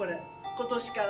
今年から。